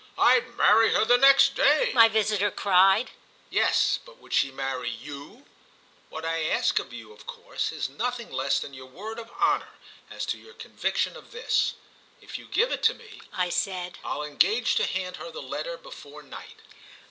"I'd marry her the next day!" my visitor cried. "Yes, but would she marry you? What I ask of you of course is nothing less than your word of honour as to your conviction of this. If you give it me," I said, "I'll engage to hand her the letter before night."